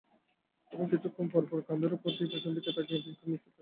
এবং কিছুক্ষণ পরপর, কাঁধের ওপর দিয়ে পেছন দিকে তাকিয়ে দেখে নিচ্ছে তাঁকে।